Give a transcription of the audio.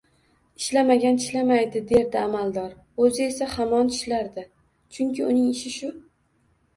Ishlamagan tishlamaydi, derdi amaldor. O’zi esa hamon tishlardi. Chunki uning ishi shu.